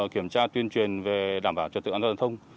kiểm tra tuyên truyền về đảm bảo trật tự an toàn giao thông